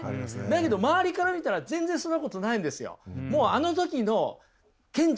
だけど周りから見たら全然そんなことないんですよ！